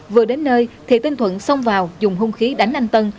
vừa đến nơi thị tên thuận xông vào dùng hung khí đánh anh tân